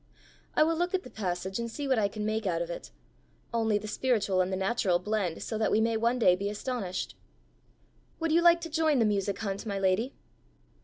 I will look at the passage and see what I can make out of it. Only the spiritual and the natural blend so that we may one day be astonished! Would you like to join the music hunt, my lady?"